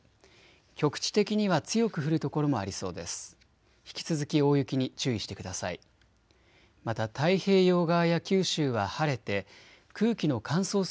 局地的には強く降る所もありそうです。